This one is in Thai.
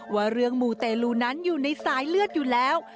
ว่าเรื่องมูเตลูนั้นอยู่ในสายเลือดอยู่แล้ว